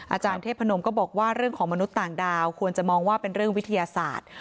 อาจารย์เทพนมก็บอกว่าเรื่องของมนุษย์ต่างดาวควรจะมองว่าเป็นเรื่องวิทยาศาสตร์